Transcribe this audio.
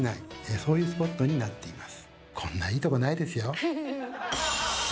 そういうスポットになっています。